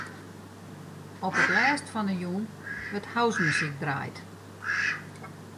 Op it lêst fan 'e jûn wurdt housemuzyk draaid.